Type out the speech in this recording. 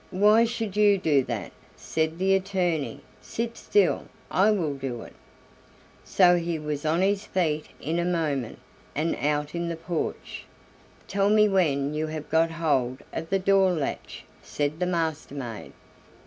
"Why should you do that?" said the attorney; "sit still, I will do it." So he was on his feet in a moment, and out in the porch. "Tell me when you have got hold of the door latch," said the Master maid.